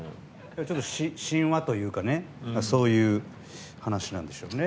神話というかそういう話なんでしょうね。